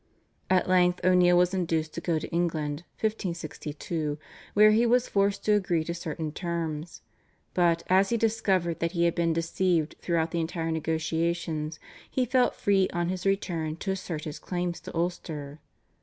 At length O'Neill was induced to go to England (1562), where he was forced to agree to certain terms; but, as he discovered that he had been deceived throughout the entire negotiations, he felt free on his return to assert his claims to Ulster.